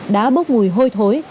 đã bốc mùi hôi thối